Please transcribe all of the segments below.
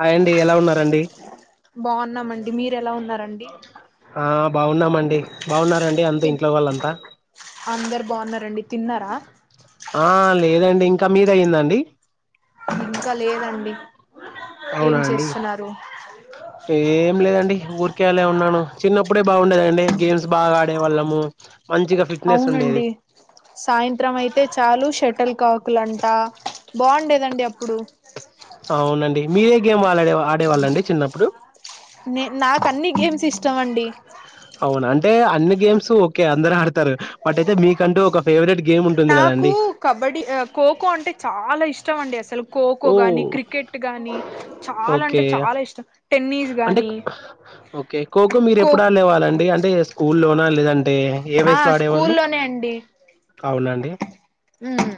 Hi అండి ఎలా ఉన్నారండి బాగున్నామండి మీరు ఎలా ఉన్నారన్ ఆ బాగున్నామండి బాగున్నారండి అంత ఇంట్లో వాళ్ళంతా అందరు బాగున్నారండి తిన్నారా ఆ లేదండి ఇంకా మీద అయ్యిందండి ఇంకా లేదండి ఏం అవునా అండి చేస్తున్నారు ఏం లేదండి ఊరికే అలా ఉన్నాను చిన్నప్పుడే బాగుండేదండి గేమ్స్ బాగా ఆడే వాళ్ళము మంచిగా ఫిట్నెస్ ఉండేది అవునండి సాయంత్రం అయితే చాలు షటిల్ కాకులు అంట బాగుండేదండి అప్పుడు అ అవునండి మీరే గేమ్ వాలాడే ఆడే ఆడేవాళ్ళండి చిన్నప్పుడు నాక్ అన్నీ గేమ్స్ ఇష్టం అండి అవునా అంటే అన్ని గేమ్స్ ఓకే అందరు ఆడతారు బట్ అయితే మీకంటూ ఒక ఫేవరెట్ గేమ్ ఉంటుంది నాకు కదండి కబడ్డీ ఆ కోకో అంటే చాలా ఇష్ మం అసలు ఖోఖో ఓ గాని క్రికెట్ గాని చాలా అంటే ఓకే చాలా ఇష్టం టెన్నిస్ అంటే గాని ఓకే ోఖో మీరు ఖో ఎప్పుడు ఆలేేవాళ్ళండి అంటే స్కూల్లోనా లేదంటే ఏ ఆ వయసులో ఆడేవాళ్ళు స్కూల్లోనే అండి అవు ఉమ్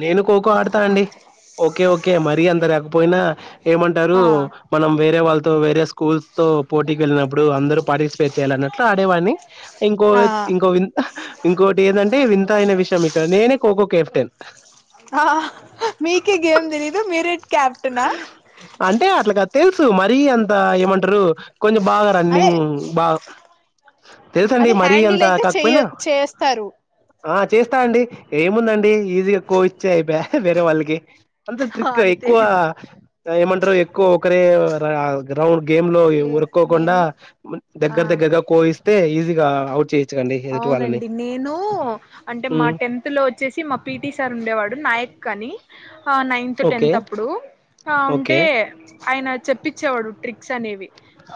నే కో క ా అండి ఓకే ఓకే మర అంత లేకపోయినా ఏమంటారు ఆ మనం వేరే వాళ్ళ వేరయా స్కూల్స్ తో పోటీకి వెళ్ళినప్పుడు అందరూ పార్టిసిపేట్ చేయాలిన్నట్లు ఆడేవాని ఇంకో ఆ ఇంకో వి ఇంకోటి ఏంటంటే వింతయిన విషయం నేనే కోఖ కెఫటెన్ ఆ మీకే గేమ్ దినీదు మీర అంటే అట్లా క తెలుసు మరీ అంత ఏమంటారు కొంచెం బాగా అదే రన్నింగ్ బాగా తెలుస అండి అదే మరీ హ్యాండిల్ అంత అయితే చెయ కాకపోయినా చేస్తారు ఆ చేస్తా అండి ఏముందండి ఈజీగా కో ఇచ్చాయిబా వేరే వాళ్ళకి అంత ట్రిక్ అంతే ఎక్కు ఏమంటరు ఒక ఒకర లే నేను దగ్గర దగ్గరగా కోయిస్తే ఈజీగా అవుట్ చేయొచ్చుకండి ఎదుటి వాళ్ళని అవునండి నేను అంటే మా ఉమ్ టెన్త్ లో వచ్చేసి మా పిటి సార్ ఉండేవాడు నాయక్ అని ఆ నైన్త్ ఓకే టెన్త్ అప్పుడు ఓకే ఉంటే ఆయన చెప్పించేవాడు ట్రిక్ క్స్ అనేవి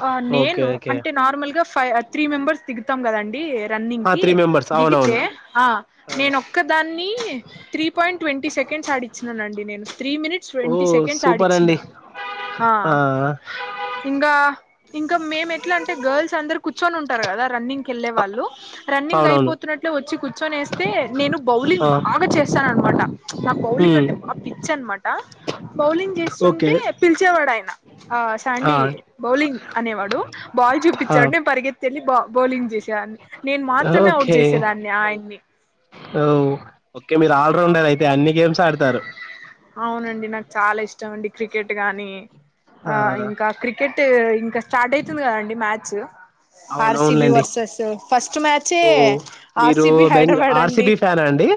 ఆ ఓకే నేను ఓకే అంటే నార్మల్ గా ఫైవ్ త్రీ మెంబర్స్ దిగు మొత్తం కదండి రన్నింగ్ ఆ కి త్రీ మెంబర్స్ దిగితే అవునవును ఆ నేనొక్క దాన్ని త్ర్రి పాయింట్ ట్వంటీ సెకండ్స్ ఆడిచ్చిన్నానండి నేను త్రీ మినిట్స్ ఓ ట్వంటీ సెకండ్స్ సూపర్ ఆడిచ్చిన అండి ఆ ఇంకా ఇంకా మేము ఎట్లా అంటే గర్ల్స్ అందరు కూర్చొని ఉంటారు కదా రన్నింగ్కి వెళ్ళే వాళ్ళు రన్నింగ్ అవునవును అయిపోతున్నట్లు వచ్చి కూర్చొని వస్తే నేను బౌలింగ్ ఆ బాగా చేస్తాన అనమాట నా బౌలింగ్ ఉమ్ అంటే బ పిచ్ అనమాట బౌలింగ్ ఓకే చేస్తుంటే పిలిచేవాడు ఆయన ఆ ఆ శాండీ బౌలింగ్ అనేవాడు బాల్ ఆ చూపించాడు నేను పరిగెత్తి వెళ్ళి బా బౌలింగ్ చేసేదాన్ని నేను మాత్రమే అవుట్ ఓకే చేసేదాన్ని ఆయన్ని ఓ ఓకే మీరు ఆల్రౌండర్ అయితే అన్ని గేమ్స్ ఆడతారు అవునండి నాకు చాలా ఇష్టం అండి క్రికెట్ గాని ఆ ఇంకా క్రికెట్ అంటే ఇంకా స్టార్ట్ అయ్తుంది కదండి మ్యాచ్ ఆర్సిబి అవునవునులేండి వర్సెస్ ఫస్ట్ మ్యాచే ఓ మీరు ఆర్సిబి బెంగ హైదరాబాద్ అండి ఆర్సిబి ఫ్యానా అండి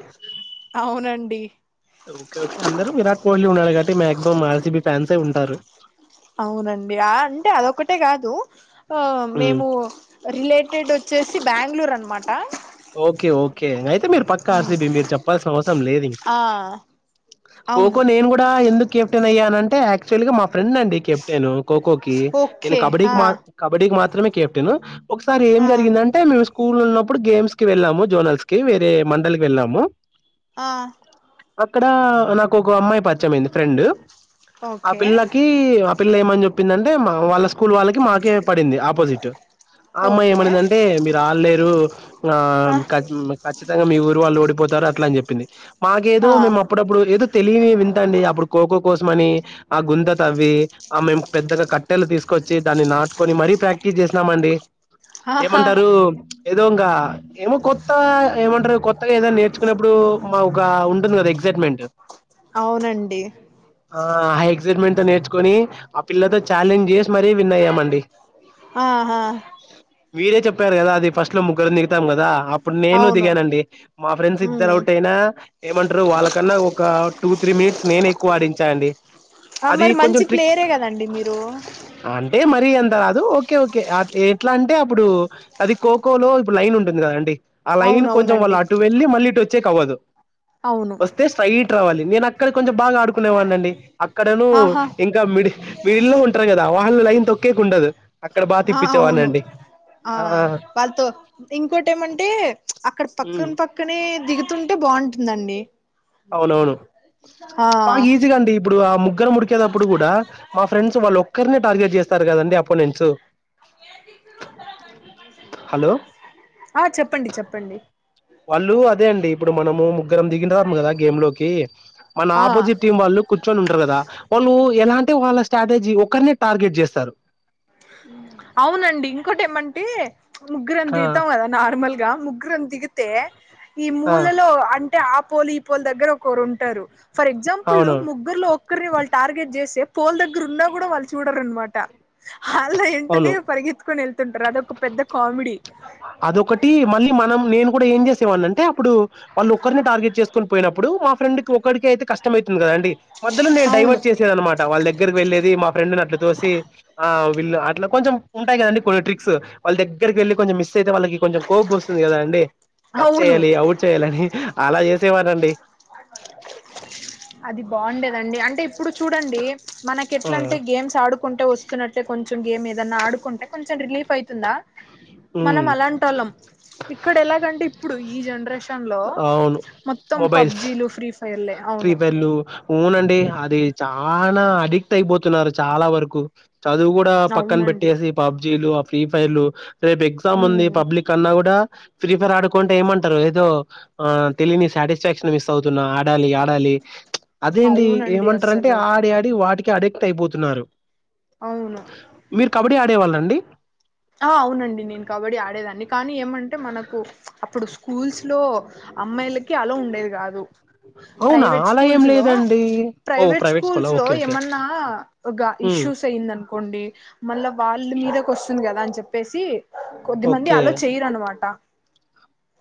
అవునండి ఓకే ఓకే అందరూ విరాట్ కోహ్లీ ఉన్నాడు కాబట్టి మాక్సిమం ఆర్సిబి ఫ్యాన్సె ఉంటారు అవునండి ఆ అంటే అదొక్కటే కాదు ఆ హ్మ్. మేము రిలేట్ స్టేట్ వచ్చేసి బెంగళూరు అన్మాట ఓకే ఓకే అయితే మీరు పక్క ఆర్సిబి మీరు చెప్పాల్సిన అవసరం లేదు. ఇంక ఆ కోకో అవును నేను కూడా ఎందుకు కెప్టెన్ అయ్యానం అంటే యాక్చువల్గా మాక్ ఫ్రెండ్ అండి కెప్టెన్ కోకో కి నేను ఓకే కబడ్డీకి ఆ మా కబడ్డీకి మాత్ మాత్రమే కేప్టెను ఒకసారి ఏం ఆ జరిగిందంటే మేము స్కూల్ ఉన్నప్పుడు గేమ్స్ కి వెళ్ళాము జోనల్స్ కి వేరే మండలికి వెళ్ళాము ఆ అక్కడ నాకు ఒక అమ్మాయి పరిచమైంది ఫ్రెండు ఆ ఓకే పిల్లకి ఆ పిల్ ఆపిల్ల చెప్పిందంటే మా వాళ్ళ స్క్ స్కూల్ వాళ్ళకి మాకే పడింది ఆపోజిట్ ఆ అమ్మాయి ఓకే ఏమైందంటే మీరు ఆడలేరు ఆ మ్మ్ కచ్ మ్ కచ్చితంగా మీ ఊరు వాళ్ళు ఓడిపోతారు అట్లా అని చెప్పింది మాకేదో ఆ మేము అప్పుడప్పుడు ఏదో తెలియిని వింతండి అప్పుడు కోకో కో కోసమని ఆ గుంత తవ్వి ఆ మేము పెద్దగా కట్టెలు తీసుకొచ్చి దాన్ని నాటుకొని మరీ ప్రాక్టీస్ చేస్నామండి ఆహా ఏమంటారు ప్చ్ ఏదోంగా ఏమో కొత్త ఏమంట్రూ కొత్ టై ఏదా నేర్చుకున్నప్పుడు మా ఒక ఉన్ కద ఎక్సైట్మెంట్ అవునండి ఆ హై ఎక్సైట్మెంట్ తో నేర్చుకొని ఆ పిల్లతో ఛాలెంజ్ చేసి మరీ విన్ అయ్యామండి ఆహా మీరే చెప్పారు కదా అది ఫస్ట్ [unintelligible] ముగర్ని తాం గాదా అప్ ఇప్పుడు నేను అవును దిగానండి మా ఫ్రెండ్స్ ఇద్దరు ఉమ్ అవుట్ అయినా ఏమంటారు వాళ్ళకన్నా ఒక టూ త్రీ మినిట్స్ నేనే ఎక్కువ ఆడించా అండి ప్చ్ ఆ అది మరి కొంచెం మంచి ట్రిక్ ప్లేయరే కదండి మీరు అంటే మరీ ఎంత రాదు ఓకే ఓకే అ ఎట్లా అంటే అప్పుడు అది కోకో లో లైన్ంటుందిగా అండి ఆ లైన్ కొంచెం వాళ్లు అవునవునండి అటు వెళ్ళి మళ్ళి ఇటోచ్ వచ్చేక్వదు అవును వస్తే సాయి ట రావాల ఎ నక్కలు కొంచం బాగా అ నేవాడి అండి అక్కడనుూ ఆహా ఇంకా మిడి మిడి లో ఉంటారు కదా అవాహన తొక్కే కొ ఉండదు అక్కడ బాగా ఆ అవును తిప్పించేవాడినండి ఆ పతో ఇంకోటి ఏమంటే అక్కడ ఉమ్, పక్కన పక్కనే దిగుతుంటే బాగుంటుందండి అవునవును ఆ బాగా ఈజీగా అండి ఇప్పుడు ఆ ముగ్గుర ముడికేటప్పుడు కూడా మా ఫ్రెండ్స్ వాళ్ళ ఒక్కరినే టార్గెట్ చేస్తారు కదండి అపోనెంట్స్ హలో ఆ చె వాళ్ళు అదే అండి ఇప్పుడు మనము ముగ్గురం దిగిన రాము కదా గేమ్ లోకి మన ఆ ఆపోజిట్ టీం వాళ్ళు కూర్చొని ఉంటారు కదా వాళ్ళు ఎలాంటే వాళ్ళ స్ట్రాటజీ ఒకరినే టార్గెట్ చేస్తారు అవునండి ఇంకోటి ఏమంటే ముగ్గురంత ఆ తితా అదా నార్మల్గా ముగ్రం దిగితే ఈ ఆ మూలలో అంటే ఆ పోలి ఈ పోలి దగ్గర ఒకరు ఉంటారు ఫర్ ఎగ్జాంపుల్ అవునవును ముగ్గురులో ఒక్కరిని వాళ్ళు టార్గెట్ చేస్తే పోల్ దగ్గర ఉన్నా కూడా వాళ్ళు చూడరునమాట వాళ్ళ ఇంటనే అవును పరిగత్ుకొని వెళ్తుంటారు అదొక పెద్ద కా అదొకటి మళ్ళీ మనం నేను ఏం చేసేవాళ్ అంటే అప్పుడు వాళ్ళు ఒకరిని టార్గెట్ చేసుకొని పోయినప్పుడు మా ఫ్రెండ్ ఒకరికి అయితే కష్టమ అయితే కదండి మధలో నేను అవును డైవర్ట్ చేసేది అనమాట వాళ్ళ దగ్గరికి వెళ్ళేది మా ఫ్రెండ్ని అట్ల తోసి ఆ వీళ్ళు అట్ కొంచెం ఉంటయిదండి కొన్ని ట్రిక్స్ వాళ్ళ దగ్గర దగ్గరికి వెళ్ళి కొంచెం మిస్ అయితే వాళ్ళకి కొంచెం కోప్ వస్తుంది కద అం టచ్ అవును చేయాలి అవుట్ చేయాలని అలా చేసేవాారండి అది బాగుండేదండి అంటే ఇప్పుడు చూడండి మనకి ఆ! ఎట్లా అంటే గేమ్స్ ఆడుకు కుంటే వస్తున్నట్లే కొంచెం గేమ్ ఏదన్నా ఆడుకుంటే కొంచెం రిలీఫ్ అయితుందా మనం హ్మ్. అలంటోల్లం ఇక్కడ ఎలాగంటే ఇప్పుడు ఈ జనరేషన్ లో అవును. మొత్తం మొబైల్స్. పబ్జీలు ఫ్రీ ఫైర్లే అవును ఊనండి అది చ చనా అడిక్ట్ అయిపోతున్నారు చాలా వరకు చదువు కూడా పక్కన అవునండి పెట్టేసి పాప్ జీలు ఆ ఫ్రీ ఫైర్లు రేపు ఎగ్జామ్ ఉంది ఉమ్ పబ్లిక్ అన్నా కూడా ఫ్రీ ఫైర్ ఆడుకుంటే ఏమంటారు ఏదో ఆ తెలియని సాటిస్ఫాక్షన్ మిస్ అవుతున్నా ఆడాలి ఆడాలి అదేండి అవునండి ఏమంటారంటే అస్సలు ఆడి ఆడి వాటికి అడిక్ట్ అయిపోతున్నారు అవును మీరు కబడ్డీ ఆడేవాళ్ళండి ఆ అవునండి నేను కబడ్డీ ఆడేదాన్ని కానీ ఏమంటే మనక్ అప్పుడు స్కూల్స్ లో అమ్మాయిల కి అల్లో ఉండేది కాదు అవునా ప్రైవేట్ అలా ఏం స్కూల్స్ లో లేదండి ఓ ప్రైవేట్ స్కూలా స్కూల్స్ లో ఓకే ఓకే ఏమన్నా ఒక హ్మ్. ఇష్యూస్ అయిందను కొండి మళ్ళ వాళ్ళ మీద కొస్ కదా అని చెప్పేసి కొద్దిమంది ఓకే అలా చేయరనమాట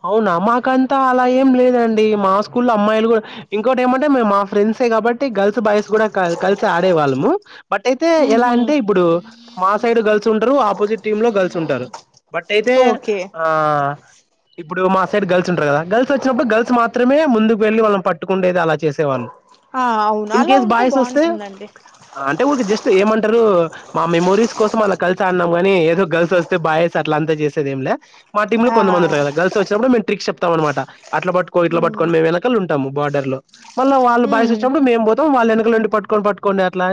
అవునా మాకంతా అలా ఏం లేదండి మా స్కూల్ అమ్మాయిలు కూడా ఇంకోటి ఏమంటే మేము మా ఫ్రెండ్సే కాబట్టి గర్ల్స్ బాయ్స్ కూడా క కలిసి ఆడేవాళ్ళము బట్ అయితే ఎలా ఉహు అంటే ఇప్పుడు మాసైయిడు గల్ తుంటరు ఆపోజిట్ టీమ్ లో గర్ల్స్ ఉంటారు బట్ అయితే ఓకే ఆ ఇప్పుడు మా సైడ్ గర్ల్స్ ఉంటారు కదా గర్ల్స్ వచ్చినప్పుడు గర్ల్స్ మాత్రమే ముందుకు వెళ్ళి వాళ్ళని పట్టుకుండేది అలా చేసేవాళ్ళు ఆ అవును ఇన్ అలా కేస్ ఉంటే బాయస్ వస్తే బాగుంటుందండి అంటే ఊరికి జస్ట్ ఏమంటారు మా మెమోరీస్ కోసం అలా కలిసి ఆన్నాం కాని ఏదో గర్ల్స్ వస్తే బాయ్స్ అట్లా అంతా చేసేది ఏం లే మా టీమ్లు ఆహా కొంతందందిద ఇప్పు మేము ట్రిక్స్ చెప్తాం అనమాట అలా పట్టుకో ఇట్లా ఉమ్ పట్టుొని మేము వెనకలు ఉంటాము బార్డర్ లో మళ్ళ వాళ్ళు బాయసి ఉమ్ వచ్చినప్పుడు మేము పోతాం వాళ్ళ వెనకలు ఉండి పటుకొని పట్కోండి అట్ అ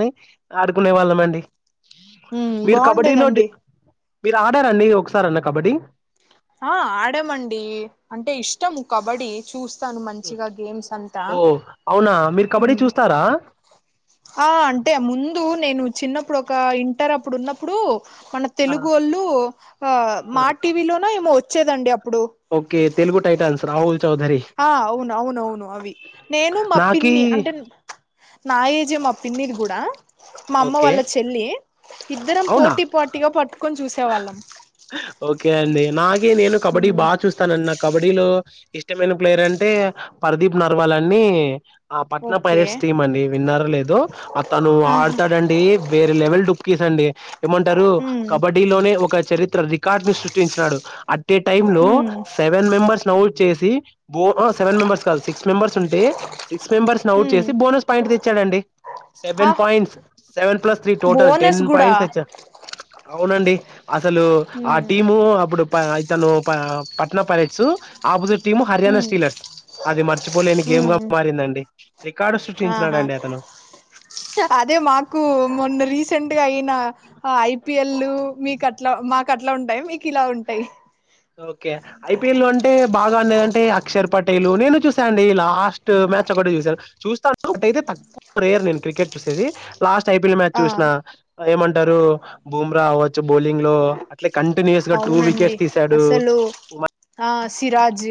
ఆడుకునే వాళ్ళం అండి ఉమ్ మీరు కబడ్డీలో డి బాగుండేదండి మీరు ఆడారండి ఒకసారి అన్న కాబడ్డీ ఆ ఆ డమండి అంటే ఇష్టం కబడ్డీ చూస్త తన్ మంచిగా గేమ్స్ అంతా ఓ అవునా మీరు కబడ్డీ మ్మ్ చూస్తారా ఆ అంటే ముందు నేను చిన్నప్పుడు ఒక ఇంటర్ అప్పుడు ఉన్నప్పుడు మన ఆ! తెలుగోళ్ళు ఆ ఆ! మా టి వి లో మ వచ్చేదండి ఇప్పుడు ఓకే తెలుగు టైటాన్స్ రాహుల్ చౌదరి ఆ అవును అవున అవును అవి నేను మా నాకి పిన్ని అంటే నాయేజే మా పిన్నిది కూడా మా అమ్మ ఓకే వాళ్ళ చెల్లి ఇద్దరం అవునా పోటీ పోటీగా పట్టుకొని చూసి ఓకే అండి నాగ అే నేను కబడ్డీ ఉమ్ బాగా చూస్తాన అన్న కబడ్డీ లో ఇష్టమైన ప్లేయర్ అంటే పర్దీప్ నర్వాల్ అన్ని ఆ పట్న ఓకే పైలట్స్ టీమ్ అండి విన్నర్ లేదు అతను ఆహా ఆడతాడండి వేరే లెవెల్ ప్పీస అండి ఏమంటారు ఉమ్ లోనే ఒక చరిత్ర రికార్డు ని సృష్టించినాడు అట్ టైమ్ లో ఉమ్ సెవెన్ మెంబర్స్ న చ్చసి బో సెవెన్ మెంబర్స్ కాదు సిక్స్ మెంబర్స్ ఉంటే సిక్స్ మెంబర్స్ అవుట్ ఉమ్ చేసి బోనస్ పాయింట్ తెచ్చాడంండి ఆ seven points seven plus three total ten bonus కూడా పాయింట్స్ తెచ్చ అవునండి అసలు ఆ ఉమ్ టీము అప్పుడు ఇతను Patna Pirates opposite team Haryana ఉమ్ స్టీలర్స్ అది మర్చిపోలేని గేమ్ గా ఉమ్ మారిందండి రికార్డు ఆహా సృష్టించాడండి అతను అదే మాకు మొన్న రీసెంట్ గా అయిన ఐపిఎల్ మీకు అట్లా మాకు అట్లా ఉంటాయి మీకు ఇలా ఉంటాయి ఓకే ఐపీఎల్ అంటే బాగాన్నదంటే అక్షర్ పటేల్ నేను చూసాను అండి లాస్ట్ మ్యాచ్ ఒకటి చూసాను చూస్తా ఒకటైతే తక్కువ రేయర్ నేను క్రికెట్ చూసేది లాస్ట్ ఐపీఎల్ మ్యాచ్ ఆ చూసినా ఏమంట టరు బూమ్రా అవచ్చు బౌలింగ్ లో అట్ కంటిన్యూస్ టూ అవునండి వికెట్స తీ డు అసలు ఆ సిరాజ్